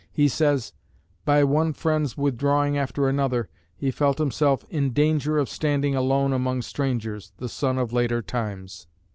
He says, "by one friend's withdrawing after another," he felt himself "in danger of standing alone among strangers, the son of later times."